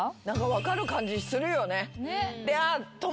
分かる感じするよね。